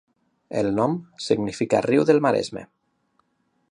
El nom significa riu del maresme.